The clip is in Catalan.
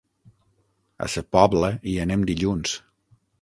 A Sa Pobla hi anem dilluns.